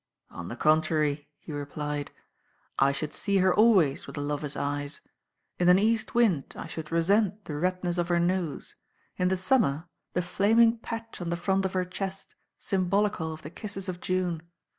"On the contrary," he replied, "I should see her always with a lover's eyes. In an east wind, I should resent the redness of her nose, in the summer, the flaming patch on the front of her chest, symbolical of the kisses of June.